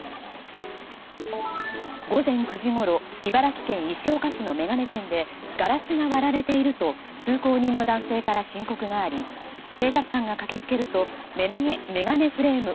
午前９時ごろ茨城県石岡市の眼鏡店でガラスが割られていると通行人の男性から申告があり警察官が駆け付けると眼鏡フレーム